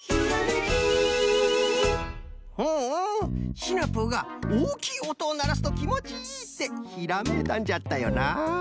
シナプーが「おおきいおとをならすときもちいい」ってひらめいたんじゃったよな！